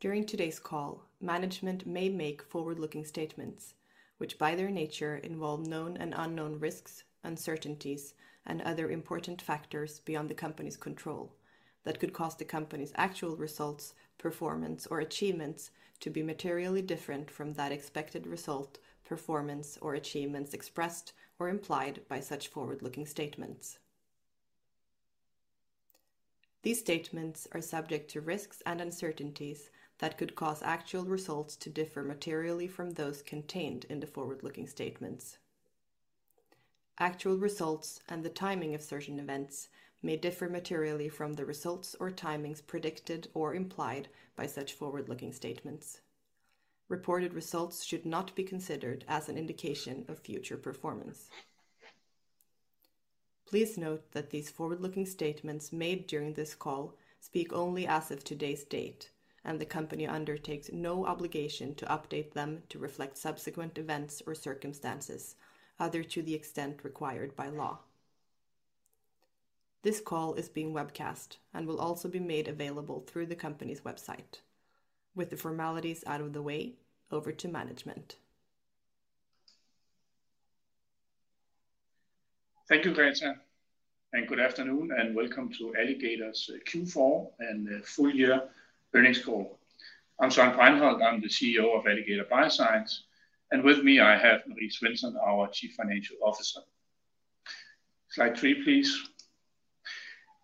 During today's call, management may make forward-looking statements which, by their nature, involve known and unknown risks, uncertainties, and other important factors beyond the company's control that could cause the company's actual results, performance, or achievements to be materially different from that expected result, performance, or achievements expressed or implied by such forward-looking statements. These statements are subject to risks and uncertainties that could cause actual results to differ materially from those contained in the forward-looking statements. Actual results and the timing of certain events may differ materially from the results or timings predicted or implied by such forward-looking statements. Reported results should not be considered as an indication of future performance. Please note that these forward-looking statements made during this call speak only as of today's date, and the company undertakes no obligation to update them to reflect subsequent events or circumstances other to the extent required by law. This call is being webcast and will also be made available through the company's website. With the formalities out of the way, over to management. Thank you, Greta, and good afternoon and welcome to Alligator's Q4 and full year earnings call. I'm Søren Bregenholt. I'm the CEO of Alligator Bioscience, and with me I have Marie Svensson, our Chief Financial Officer. Slide three, please.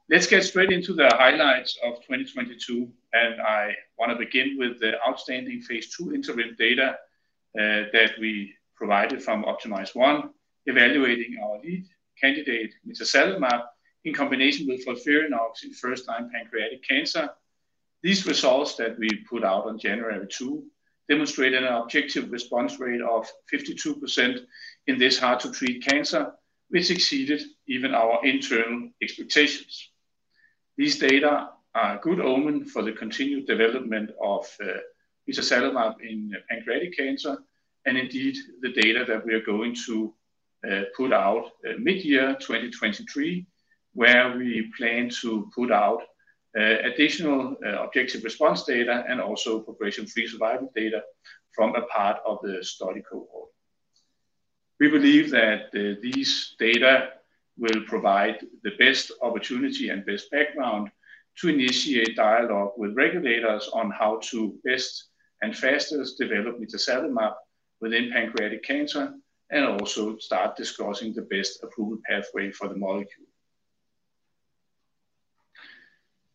Let's get straight into the highlights of 2022, and I want to begin with the outstanding Phase II interim data that we provided from OPTIMIZE-1, evaluating our lead candidate, mitazalimab, in combination with FOLFIRINOX in first-line pancreatic cancer. These results that we put out on January 2, 2022 demonstrated an objective response rate of 52% in this hard-to-treat cancer, which exceeded even our internal expectations. These data are a good omen for the continued development of mitazalimab in pancreatic cancer. Indeed, the data that we are going to put out mid-year 2023, where we plan to put out additional objective response data and also progression-free survival data from a part of the study cohort. We believe that these data will provide the best opportunity and best background to initiate dialogue with regulators on how to best and fastest develop mitazalimab within pancreatic cancer and also start discussing the best approval pathway for the molecule.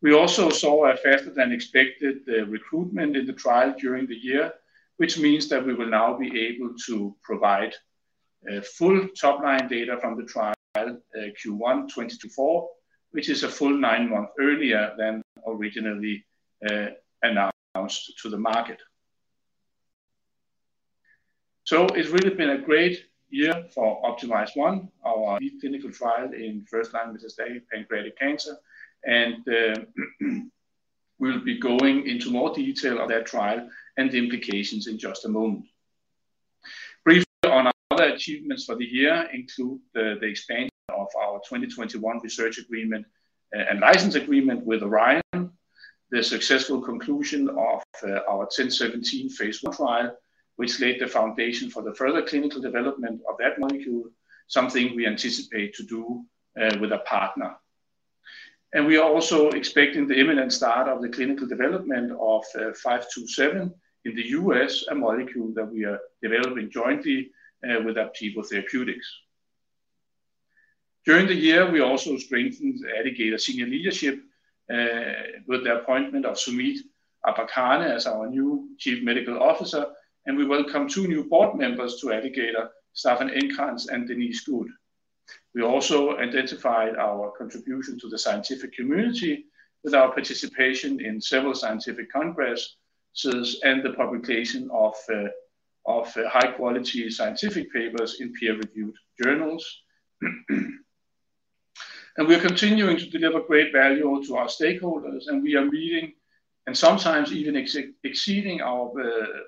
We also saw a faster than expected recruitment in the trial during the year, which means that we will now be able to provide full top-line data from the trial Q1 2024, which is a full nine months earlier than originally announced to the market. It's really been a great year for OPTIMIZE-1, our lead clinical trial in first-line metastatic pancreatic cancer, and we'll be going into more detail of that trial and the implications in just a moment. Briefly on our other achievements for the year include the expansion of our 2021 research agreement and license agreement with Orion, the successful conclusion of our ATOR-1017 phase I trial, which laid the foundation for the further clinical development of that molecule, something we anticipate to do with a partner. We are also expecting the imminent start of the clinical development of ALG.APV-527 in the U.S., a molecule that we are developing jointly with Aptevo Therapeutics. During the year, we also strengthened Alligator senior leadership with the appointment of Sumeet Ambarkhane as our new Chief Medical Officer. We welcome two new Board Members to Alligator, Staffan Encrantz and Denise Goode. We also identified our contribution to the scientific community with our participation in several scientific congresses and the publication of high-quality scientific papers in peer-reviewed journals. We are continuing to deliver great value to our stakeholders, and we are meeting and sometimes even exceeding our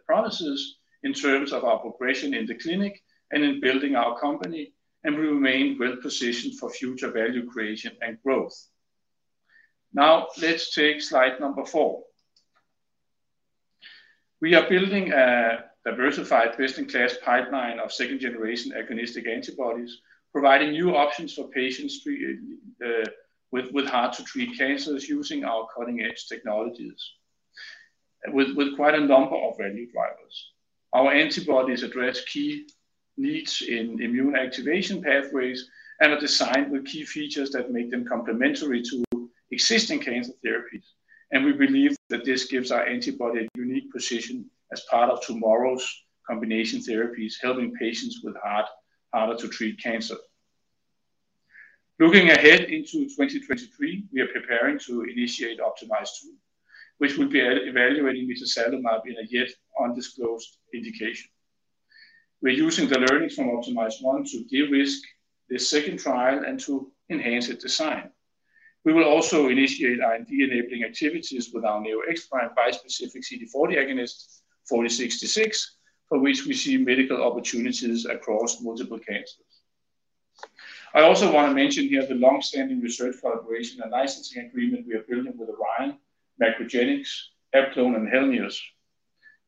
promises in terms of our progression in the clinic and in building our company. We remain well-positioned for future value creation and growth. Let's take slide number four. We are building a diversified best-in-class pipeline of second-generation agonistic antibodies, providing new options for patients with hard-to-treat cancers using our cutting-edge technologies with quite a number of value drivers. Our antibodies address key needs in immune activation pathways and are designed with key features that make them complementary to existing cancer therapies. We believe that this gives our antibody a unique position as part of tomorrow's combination therapies, helping patients with harder-to-treat cancer. Looking ahead into 2023, we are preparing to initiate OPTIMIZE-2, which will be evaluating mitazalimab in a yet undisclosed indication. We're using the learnings from OPTIMIZE-1 to de-risk this second trial and to enhance its design. We will also initiate IND-enabling activities with our Neo-X-Prime bispecific CD40 agonist 4066, for which we see medical opportunities across multiple cancers. I also want to mention here the long-standing research collaboration and licensing agreement we are building with Orion, MacroGenics, Aptevo Therapeutics, and Helmius.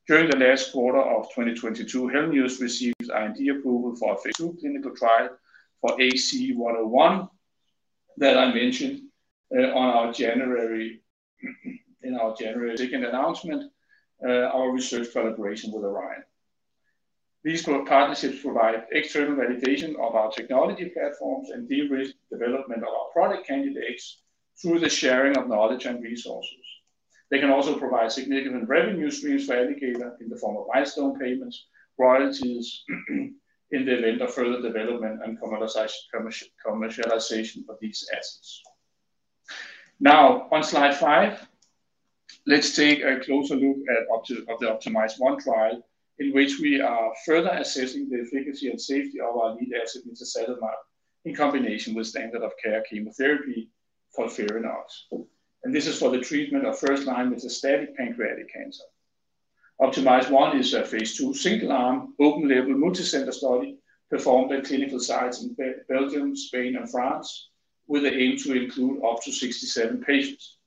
During the last quarter of 2022, Helmius received IND approval for a phase II clinical trial for AC101 that I mentioned on our January 2, 2022 announcement, our research collaboration with Orion. These co-partnerships provide external validation of our technology platforms and de-risk development of our product candidates through the sharing of knowledge and resources. They can also provide significant revenue streams for Alligator in the form of milestone payments, royalties in the event of further development and commercialization of these assets. On slide five, let's take a closer look at the OPTIMIZE-1 trial in which we are further assessing the efficacy and safety of our lead asset mitazalimab in combination with standard of care chemotherapy FOLFIRINOX. This is for the treatment of first-line metastatic pancreatic cancer. OPTIMIZE-1 is a phase II single arm open label multicenter study performed at clinical sites in Belgium, Spain, and France with the aim to include up to 67 patients.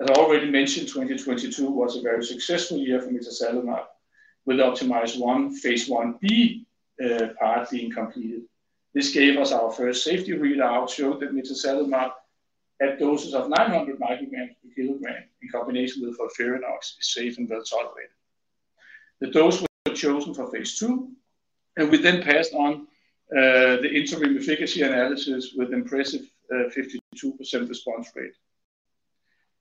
As I already mentioned, 2022 was a very successful year for mitazalimab, with OPTIMIZE-1 phase Ib part being completed. This gave us our first safety readout, showed that mitazalimab at doses of 900 micrograms per kilogram in combination with FOLFIRINOX is safe and well-tolerated. The dose was chosen for phase II, and we then passed on the interim efficacy analysis with impressive 52% response rate.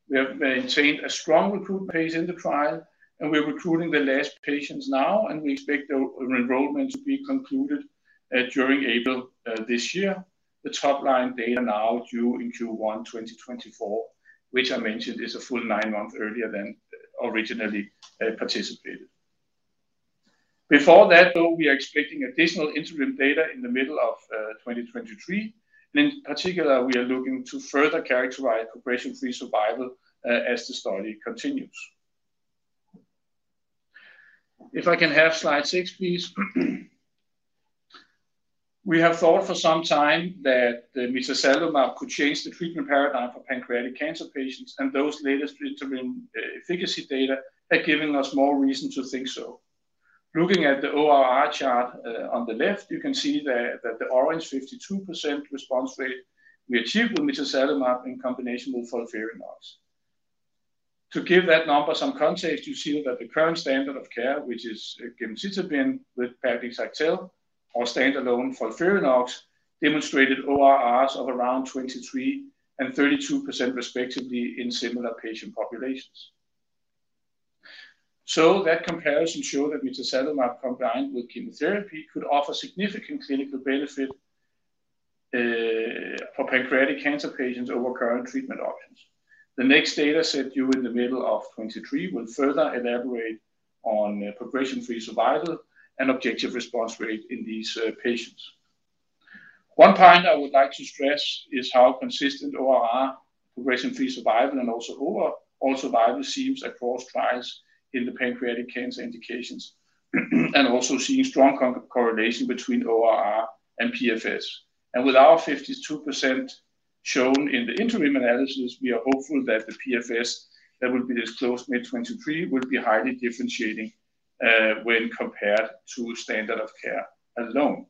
We have maintained a strong recruit pace in the trial, and we're recruiting the last patients now, and we expect the enrollment to be concluded during April this year. The top-line data now due in Q1 2024, which I mentioned is a full nine months earlier than originally participated. Before that, though, we are expecting additional interim data in the middle of 2023. In particular, we are looking to further characterize progression-free survival as the study continues. If I can have slide 6, please. We have thought for some time that the mitazalimab could change the treatment paradigm for pancreatic cancer patients, and those latest interim efficacy data are giving us more reason to think so. Looking at the ORR chart on the left, you can see the orange 52% response rate we achieved with mitazalimab in combination with FOLFIRINOX. To give that number some context, you see that the current standard of care, which is gemcitabine with nab-paclitaxel or standalone FOLFIRINOX, demonstrated ORRs of around 23 and 32% respectively in similar patient populations. That comparison showed that mitazalimab combined with chemotherapy could offer significant clinical benefit for pancreatic cancer patients over current treatment options. The next data set due in the middle of 2023 will further elaborate on progression-free survival and objective response rate in these patients. One point I would like to stress is how consistent ORR progression-free survival and also over all survival seems across trials in the pancreatic cancer indications and also seeing strong correlation between ORR and PFS. With our 52% shown in the interim analysis, we are hopeful that the PFS that will be disclosed mid-2023 will be highly differentiating when compared to standard of care alone.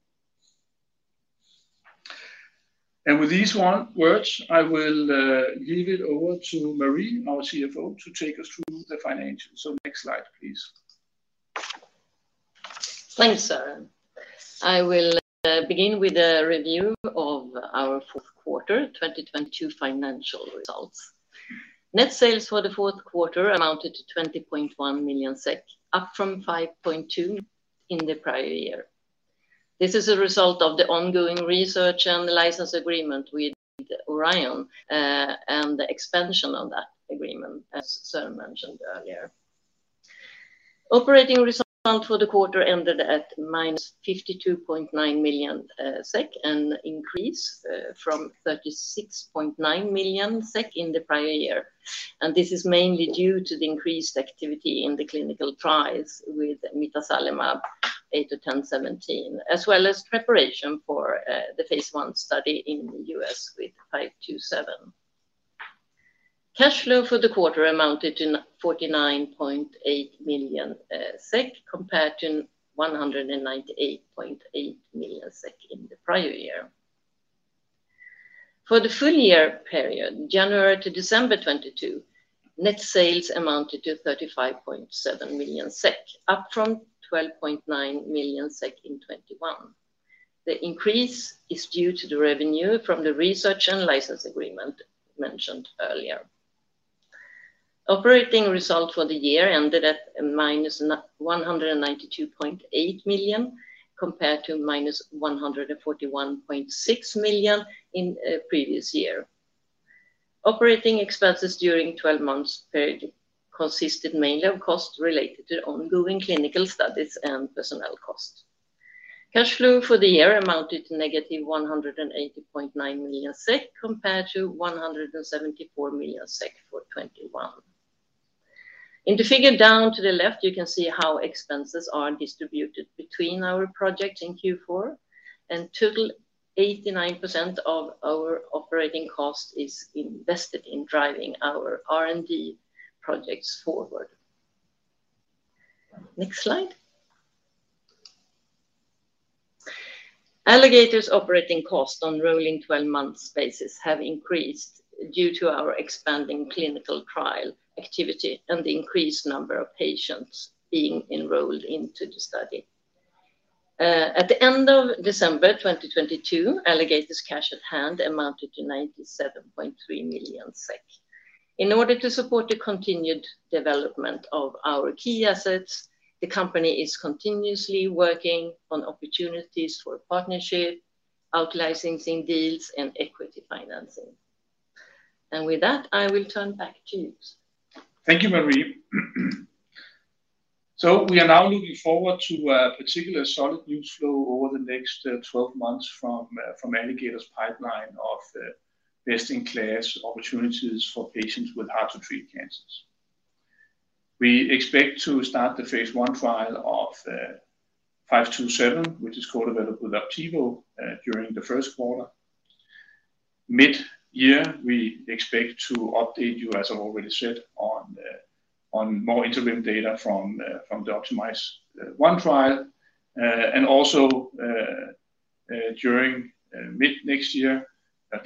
With these 1 words, I will leave it over to Marie, our CFO, to take us through the financials. Next slide, please. Thanks, Søren. I will begin with a review of our Q4 2022 financial results. Net sales for the Q4 amounted to 20.1 million SEK, up from 5.2 million in the prior year. This is a result of the ongoing research and license agreement with Orion, and the expansion of that agreement, as Søren mentioned earlier. Operating result for the quarter ended at minus 52.9 million SEK, an increase from 36.9 million SEK in the prior year, and this is mainly due to the increased activity in the clinical trials with mitazalimab ATOR-1017, as well as preparation for the phase I study in the U.S. with 527. Cash flow for the quarter amounted to 49.8 million SEK compared to 198.8 million SEK in the prior year. For the full year period, January to December 2022, net sales amounted to 35.7 million SEK, up from 12.9 million SEK in 2021. The increase is due to the revenue from the research and license agreement mentioned earlier. Operating result for the year ended at minus 192.8 million, compared to minus 141.6 million in previous year. Operating expenses during 12-month period consisted mainly of costs related to ongoing clinical studies and personnel costs. Cash flow for the year amounted to negative 180.9 million SEK, compared to 174 million SEK for 2021. In the figure down to the left, you can see how expenses are distributed between our projects in Q4. In total, 89% of our operating cost is invested in driving our R&D projects forward. Next slide. Alligator's operating cost on rolling 12 months basis have increased due to our expanding clinical trial activity and the increased number of patients being enrolled into the study. At the end of December 2022, Alligator's cash at hand amounted to 97.3 million SEK. In order to support the continued development of our key assets, the company is continuously working on opportunities for partnership, out-licensing deals and equity financing. With that, I will turn back to you. Thank you, Marie. We are now looking forward to a particular solid news flow over the next 12 months from Alligator's pipeline of best-in-class opportunities for patients with hard-to-treat cancers. We expect to start the phase I trial of 527, which is co-developed with Aptevo, during the Q1. Mid-year, we expect to update you, as I've already said, on more interim data from the OPTIMIZE-1 trial. Also, during mid next year,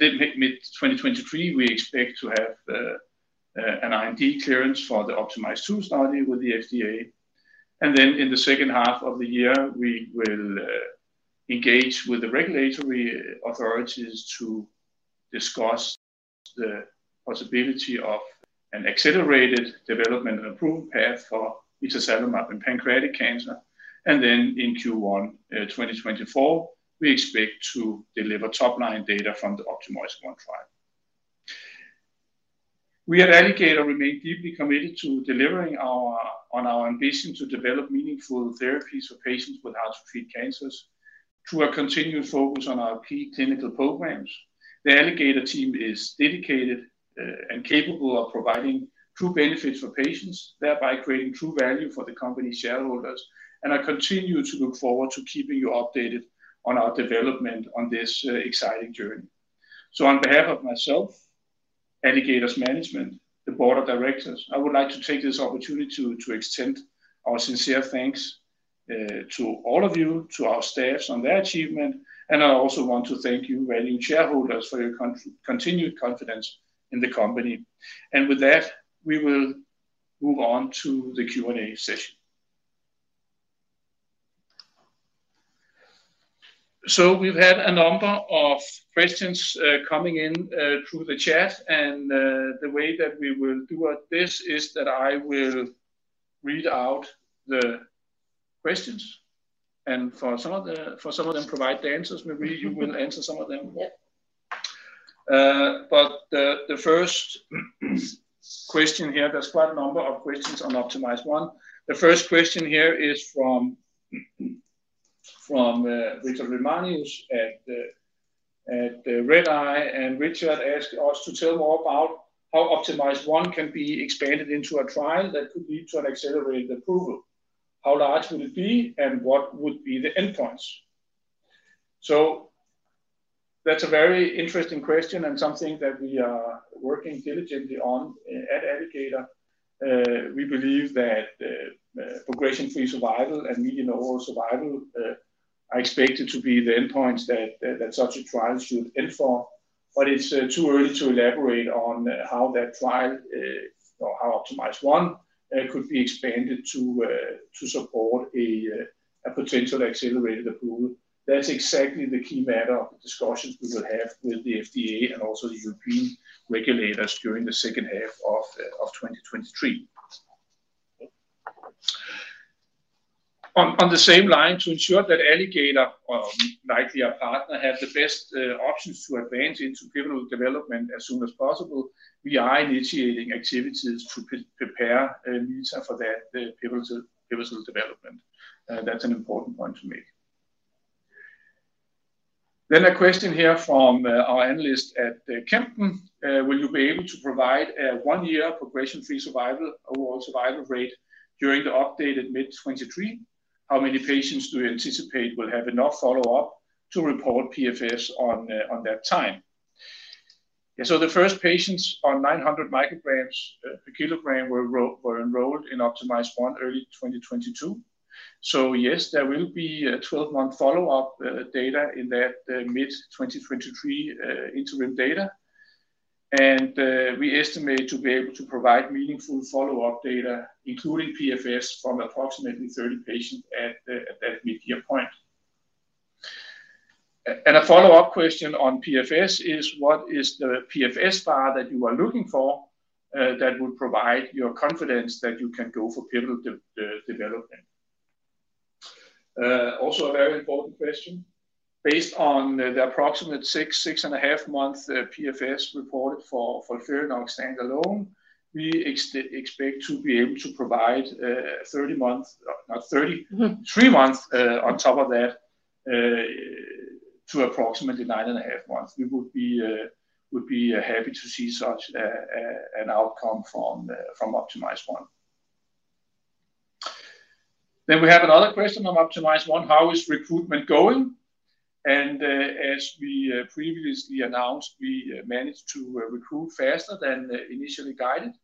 mid-mid 2023, we expect to have an IND clearance for the OPTIMIZE-2 study with the FDA. Then in the second half of the year, we will engage with the regulatory authorities to discuss the possibility of an accelerated development and approval path for mitazalimab in pancreatic cancer. In Q1 2024, we expect to deliver top-line data from the OPTIMIZE-1 trial. We at Alligator remain deeply committed to delivering on our ambition to develop meaningful therapies for patients with hard-to-treat cancers through our continued focus on our key clinical programs. The Alligator team is dedicated and capable of providing true benefits for patients, thereby creating true value for the company shareholders. I continue to look forward to keeping you updated on our development on this exciting journey. On behalf of myself, Alligator's management, the board of directors, I would like to take this opportunity to extend our sincere thanks to all of you, to our staff on their achievement. I also want to thank you valued shareholders for your continued confidence in the company. We will move on to the Q&A session. We've had a number of questions, coming in, through the chat. The way that we will do this is that I will read out the questions and for some of them provide the answers. Maybe you will answer some of them. Yep. The first question here, there's quite a number of questions on OPTIMIZE-1. The first question here is from Richard Ramanius at Redeye, Richard asked us to tell more about how OPTIMIZE-1 can be expanded into a trial that could lead to an accelerated approval. How large would it be, what would be the endpoints? That's a very interesting question and something that we are working diligently on. At Alligator, we believe that progression-free survival and median overall survival are expected to be the endpoints that such a trial should aim for. It's too early to elaborate on how that trial or how OPTIMIZE-1 could be expanded to support a potential accelerated approval. That's exactly the key matter of the discussions we will have with the FDA and also the European regulators during the second half of 2023. On the same line, to ensure that Alligator or likely our partner have the best options to advance into pivotal development as soon as possible, we are initiating activities to pre-prepare Lisa for that, the pivotal development. That's an important point to make. A question here from our analyst at Kempen. Will you be able to provide a 1-year progression-free survival, overall survival rate during the update at mid-2023? How many patients do you anticipate will have enough follow-up to report PFS on that time? The first patients on 900 micrograms per kilogram were enrolled in OPTIMIZE-1 early 2022. Yes, there will be a 12-month follow-up data in that mid-2023 interim data. We estimate to be able to provide meaningful follow-up data, including PFS, from approximately 30 patients at that mid-year point. A follow-up question on PFS is what is the PFS bar that you are looking for that would provide your confidence that you can go for pivotal development? Also a very important question. Based on the approximate six and a half month PFS reported for FOLFIRINOX standalone, we expect to be able to provide 30 months. Mm-hmm Three months on top of that. To approximately 9.5 months. We would be happy to see such an outcome from OPTIMIZE-1. We have another question on OPTIMIZE-1. How is recruitment going? As we previously announced, we managed to recruit faster than initially guided,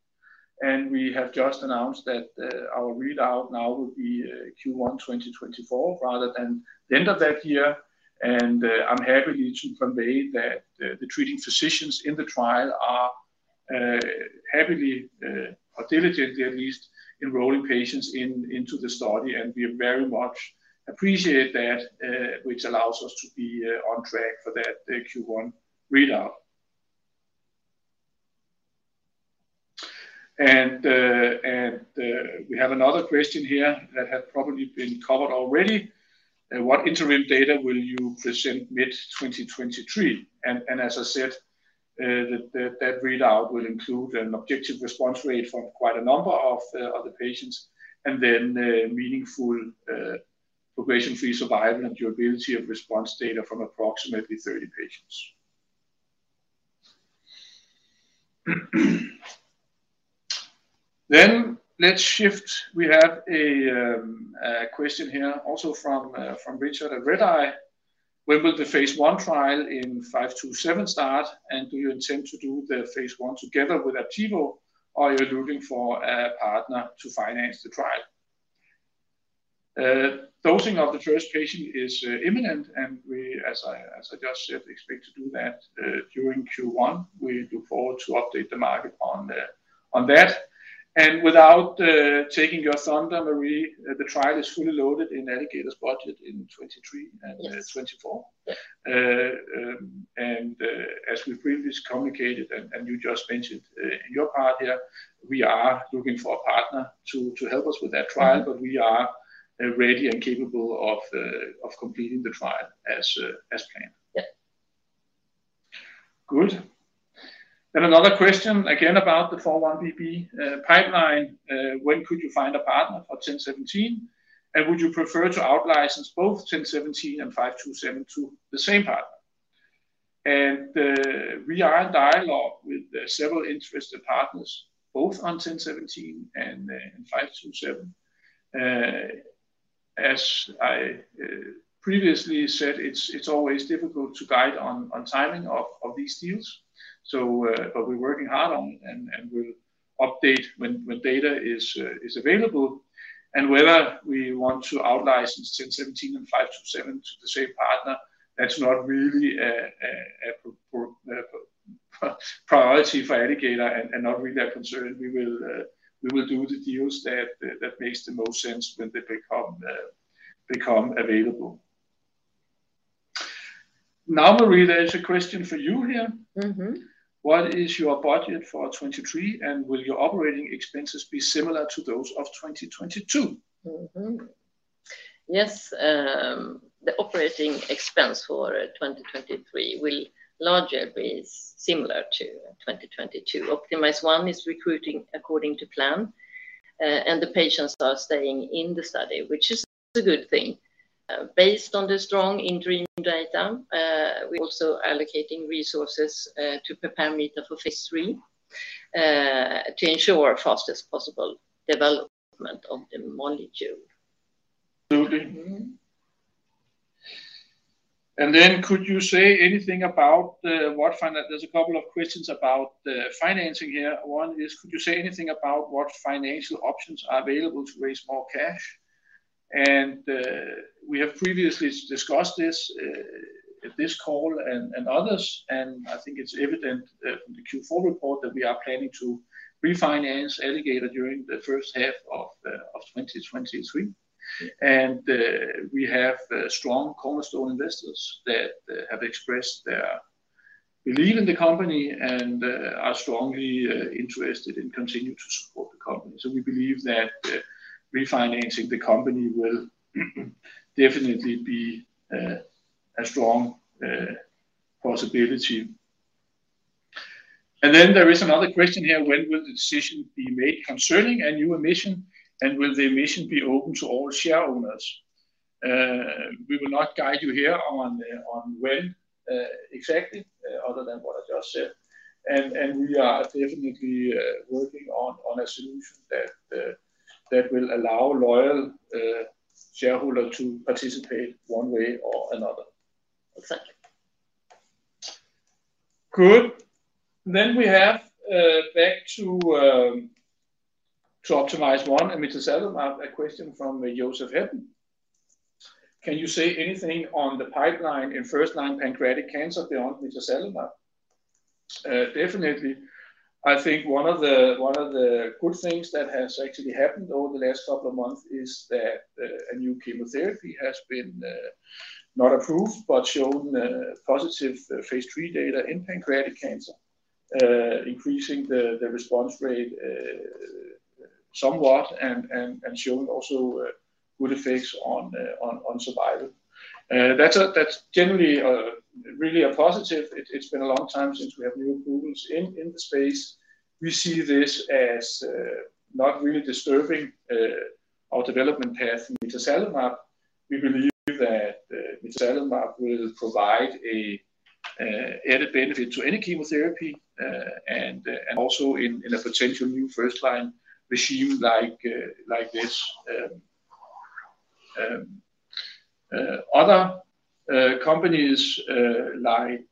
and we have just announced that our readout now will be Q1 2024 rather than the end of that year. I'm happy to convey that the treating physicians in the trial are happily or diligently at least enrolling patients into the study, and we very much appreciate that, which allows us to be on track for that, the Q1 readout. We have another question here that had probably been covered already. What interim data will you present mid-2023? As I said, that readout will include an objective response rate from quite a number of the patients and then a meaningful progression-free survival and durability of response data from approximately 30 patients. Let's shift. We have a question here also from Richard at Redeye. When will the phase I trial in 527 start, and do you intend to do the phase I together with Aptevo, or you're looking for a partner to finance the trial? Dosing of the first patient is imminent, and we, as I just said, expect to do that during Q1. We look forward to update the market on that. Without taking your thunder, Marie, the trial is fully loaded in Alligator's budget in 2023. Yes... 2024. Yeah. As we previously communicated and you just mentioned, your part here, we are looking for a partner to help us with that trial. Mm-hmm We are ready and capable of completing the trial as planned. Yeah. Good. Another question again about the 4-1BB pipeline. When could you find a partner for 1017, and would you prefer to out-license both 1017 and 527 to the same partner? We are in dialogue with several interested partners both on 1017 and 527. As I previously said, it's always difficult to guide on timing of these deals, but we're working hard on it and we'll update when data is available. Whether we want to out-license 1017 and 527 to the same partner, that's not really a priority for Alligator and not really a concern. We will do the deals that makes the most sense when they become available. Marie, there is a question for you here. Mm-hmm. What is your budget for 2023, and will your operating expenses be similar to those of 2022? Mm-hmm. Yes, the operating expense for 2023 will largely be similar to 2022. OPTIMIZE-1 is recruiting according to plan, and the patients are staying in the study, which is a good thing. Based on the strong interim data, we're also allocating resources to prepare mitazalimab for phase III to ensure fastest possible development of the molecule. Absolutely. Mm-hmm. Then could you say anything about what fund? There's a couple of questions about the financing here. One is, could you say anything about what financial options are available to raise more cash? We have previously discussed this call and others, and I think it's evident from the Q4 report that we are planning to refinance Alligator during the first half of 2023. We have strong cornerstone investors that have expressed their belief in the company and are strongly interested in continuing to support the company. We believe that refinancing the company will definitely be a strong possibility. There is another question here. When will the decision be made concerning a new admission, and will the admission be open to all share owners? We will not guide you here on when, exactly, other than what I just said, and we are definitely working on a solution that will allow loyal shareholder to participate one way or another. Exactly. Good. Then we have, uh, back to, um, to Optimize-1 and mitazalimab, a question from Joseph Hedden. Can you say anything on the pipeline in first line pancreatic cancer beyond mitazalimab? Uh, definitely. I think one of the, one of the good things that has actually happened over the last couple of months is that, uh, a new chemotherapy has been, uh, not approved, but shown, uh, positive phase three data in pancreatic cancer, uh, increasing the response rate, uh, somewhat and, and showing also, uh, good effects on, uh, on survival. Uh, that's a, that's generally a Really a positive. It's, it's been a long time since we have new approvals in the space. We see this as, uh, not really disturbing, uh, our development path with mitazalimab. We believe that mitazalimab will provide an added benefit to any chemotherapy and also in a potential new first-line regime like this. Other companies like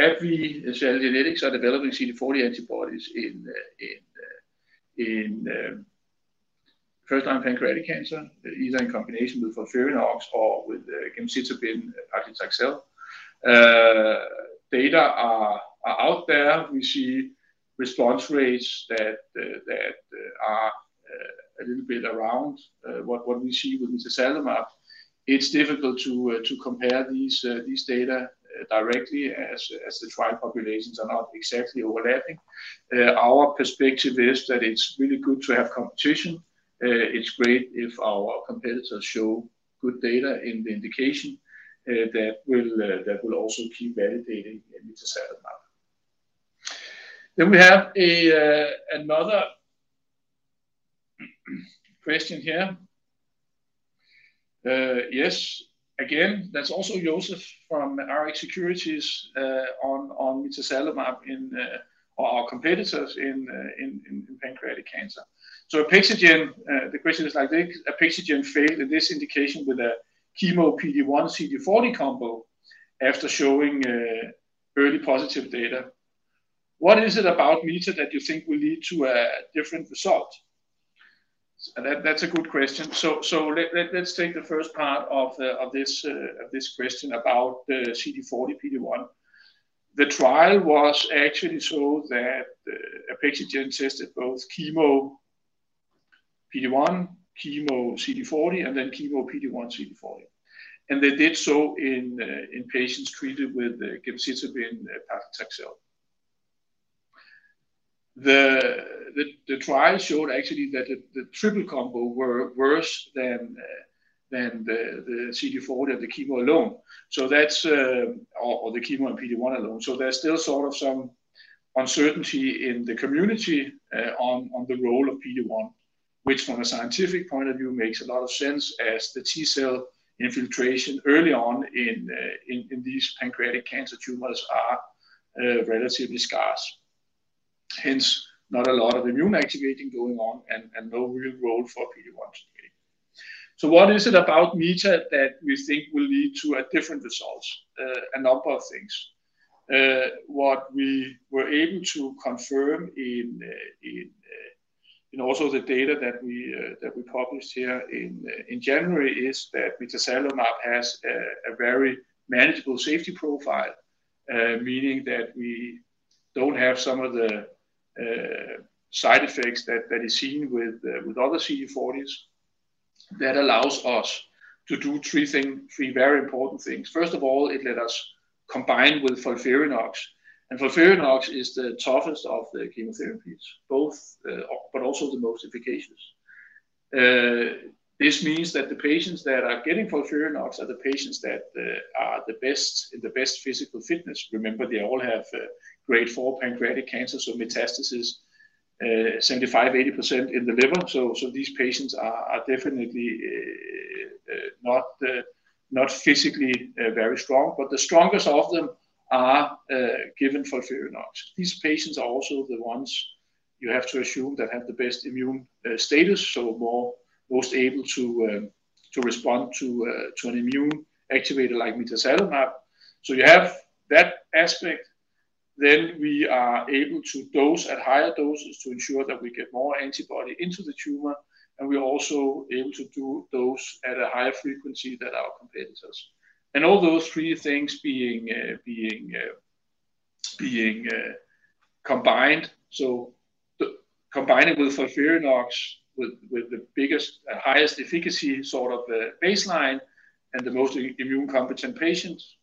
AbbVie, Celgene are developing CD40 antibodies in first-line pancreatic cancer, either in combination with FOLFIRINOX or with gemcitabine/nab-paclitaxel. Data are out there. We see response rates that are a little bit around what we see with mitazalimab. It's difficult to compare these data directly as the trial populations are not exactly overlapping. Our perspective is that it's really good to have competition. It's great if our competitors show good data in the indication that will also keep validating mitazalimab. We have another question here. Yes. That's also Joseph from Rx Securities on mitazalimab in or our competitors in pancreatic cancer. Apixigen, the question is like this: Apixigen failed in this indication with a chemo PD-1/CD40 combo after showing early positive data. What is it about mitazalimab that you think will lead to a different result? That's a good question. Let's take the first part of this question about the CD40/PD-1. The trial was actually so that Apixigen tested both chemo PD-1, chemo CD40, and then chemo PD-1/CD40, and they did so in patients treated with gemcitabine/paclitaxel. The trial showed actually that the triple combo were worse than the CD40, the chemo alone. That's. The chemo and PD-1 alone. There's still sort of some uncertainty in the community, on the role of PD-1, which from a scientific point of view makes a lot of sense as the T-cell infiltration early on in these pancreatic cancer tumors are relatively scarce. Hence, not a lot of immune activating going on and no real role for PD-1/CD8. What is it about mitazalimab that we think will lead to a different results? A number of things. What we were able to confirm in also the data that we published here in January is that mitazalimab has a very manageable safety profile, meaning that we don't have some of the side effects that is seen with other CD40s. That allows us to do three very important things. First of all, it let us combine with FOLFIRINOX. FOLFIRINOX is the toughest of the chemotherapies, both, but also the most efficacious. This means that the patients that are getting FOLFIRINOX are the patients that are the best, in the best physical fitness. Remember, they all have grade four pancreatic cancer, so metastasis, 75%-80% in the liver. These patients are definitely not physically very strong. The strongest of them are given FOLFIRINOX. These patients are also the ones you have to assume that have the best immune status. Most able to respond to an immune activator like mitazalimab. You have that aspect. We are able to dose at higher doses to ensure that we get more antibody into the tumor, and we're also able to do dose at a higher frequency than our competitors. All those three things being combined. Combining with FOLFIRINOX with the biggest and highest efficacy sort of baseline and the most immune competent patients,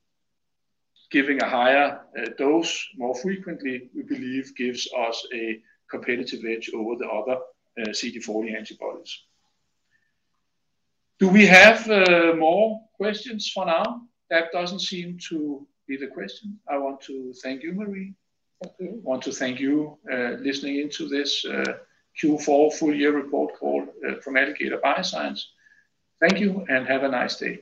giving a higher dose more frequently, we believe gives us a competitive edge over the other CD40 antibodies. Do we have more questions for now? That doesn't seem to be the question. I want to thank you, Marie. Okay. I want to thank you, listening in to this, Q4 full year report call, from Alligator Bioscience. Thank you and have a nice day.